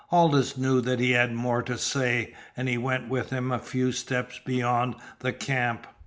Aldous knew that he had more to say, and he went with him a few steps beyond the camp.